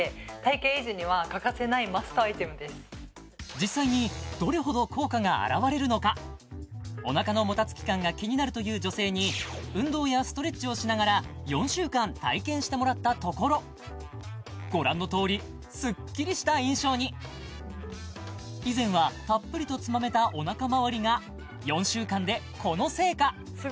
実際にどれほど効果が表れるのかお腹のもたつき感が気になるという女性に運動やストレッチをしながら４週間体験してもらったところご覧のとおりスッキリした印象に以前はたっぷりとつまめたお腹周りが４週間でこの成果！